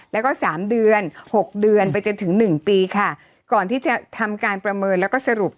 แล้วก็สามเดือนหกเดือนไปจนถึงหนึ่งปีค่ะก่อนที่จะทำการประเมินแล้วก็สรุป